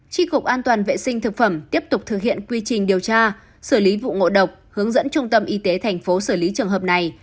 tri cục an toàn vệ sinh thực phẩm tiếp tục thực hiện quy trình điều tra xử lý vụ ngộ độc hướng dẫn trung tâm y tế thành phố xử lý trường hợp này